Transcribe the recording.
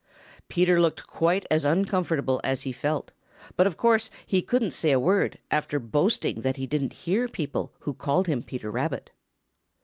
Peter looked quite as uncomfortable as he felt, but of course he couldn't say a word after boasting that he didn't hear people who called him Peter Rabbit.